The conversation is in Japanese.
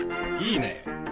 いいね！